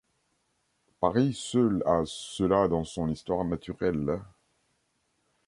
Paris seul a cela dans son histoire naturelle.